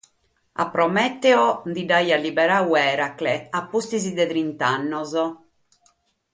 A Promèteu nche l’aiat liberadu Èracle a pustis trinta annos.